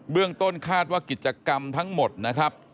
เรื่องต้นคาดว่ากิจกรรมทั้งหมดนะครับ